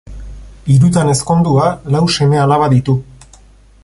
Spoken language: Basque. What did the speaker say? Hirutan ezkondua lau seme-alaba ditu.